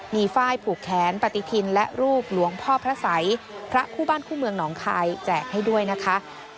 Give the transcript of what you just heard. มีฝ้ายผูกแขนปฏิทินและรูปหลวงพ่อพระสัยพระคู่บ้านคู่เมืองหนองคายแจกให้ด้วยนะคะ